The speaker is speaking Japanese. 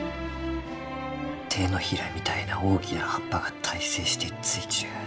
手のひらみたいな大きな葉っぱが対生してついちゅう。